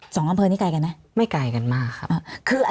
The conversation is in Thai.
๒ด้านพื้นนี้ใกล้กันนะไม่ใกล้กันมากครับ